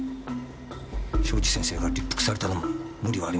庄司先生が立腹されたのも無理はありません。